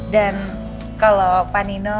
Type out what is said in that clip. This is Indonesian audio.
dan kalau pak nino